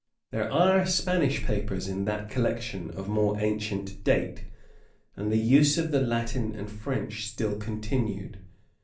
There are Spanish papers in that collection of more ancient date:[*] and the use of the Latin and French still continued.